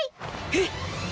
えっ！